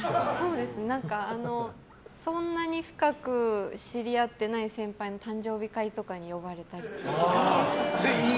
何か、そんなに深く知り合ってない先輩の誕生日会とかに呼ばれたりとかします。